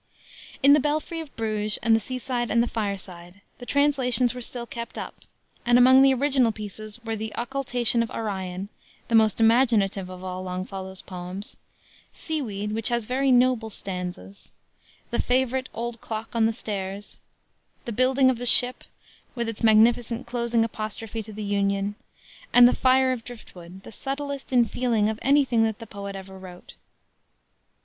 In the Belfry of Bruges and the Seaside and the Fireside, the translations were still kept up, and among the original pieces were the Occultation of Orion the most imaginative of all Longfellow's poems; Seaweed, which has very noble stanzas, the favorite Old Clock on the Stairs, the Building of the Ship, with its magnificent closing apostrophe to the Union, and the Fire of Driftwood, the subtlest in feeling of any thing that the poet ever wrote.